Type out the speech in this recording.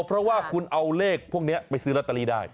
เพราะว่าคุณเอาเลขพวกนี้ไปซื้อลอตเตอรี่ได้